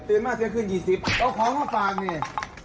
เอาของเขาฝากเนี้ย